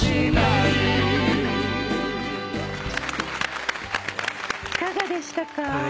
いかがでしたか？